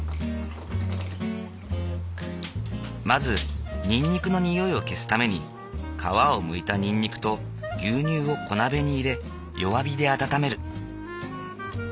まずにんにくの匂いを消すために皮をむいたにんにくと牛乳を小鍋に入れ弱火で温める。